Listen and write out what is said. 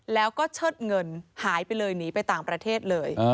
แล้วก็เชิดเงินหายไปเลยหนีไปต่างประเทศเลย